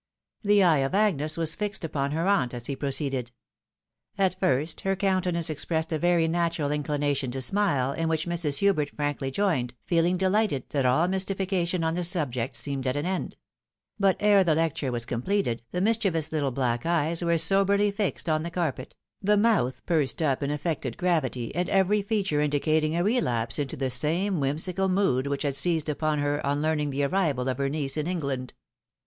The eye of Agnes was fixed upon her aunt as he proceeded. At first her countenance expressed a very natural inclination to smde, in which Mrs. Hubert frankly joined, feehng delighted that all mystification on the subject seemed at an end ; but ere the lecture was com pleted, the mischievous little black eyes were soberly fixed on the carpet, the mouth pursed up in affected gravity, and every feature indicating a relapse into the same whimsical mood which had seized upon her on learning the arrival of her niece ia England.